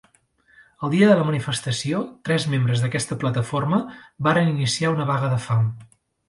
El dia de la manifestació, tres membres d'aquesta plataforma varen iniciar una vaga de fam.